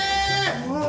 うわ！